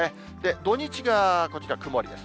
土日がこちら曇りです。